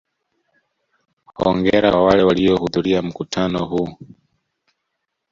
Hongera kwa wale walihudhuria mkutano huu.